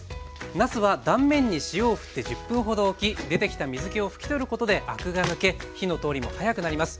なすは断面に塩をふって１０分ほどおき出てきた水けを拭き取ることでアクが抜け火の通りも早くなります。